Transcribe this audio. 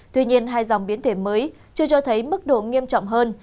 tuy nhiên hai dòng biến thể mới chưa cho thấy mức độ nghiêm trọng hơn